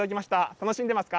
楽しんでますか？